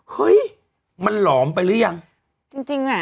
เฮ้ยมันหลอมไปหรือยังจริงจริงอ่ะ